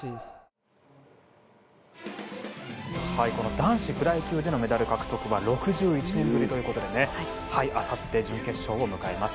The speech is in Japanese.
男子フライ級でのメダル獲得は６１年ぶりということであさって準決勝を迎えます。